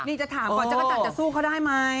นี่จะถามก่อนจักรจันทร์จะสู้เขาได้ไหม